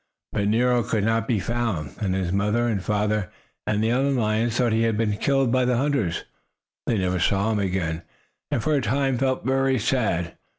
But Nero could not be found, and his father and mother and the other lions thought he had been killed by the hunters. They never saw him again, and, for a time, felt very sad.